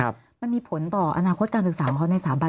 มันมีผลต่ออนาคตการศึกษาของเขาในสถาบัน